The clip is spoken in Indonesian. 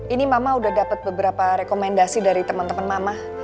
ini mama udah dapet beberapa rekomendasi dari temen temen mama